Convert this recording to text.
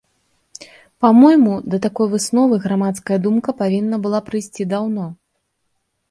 Па-мойму, да такой высновы грамадская думка павінна была прыйсці даўно.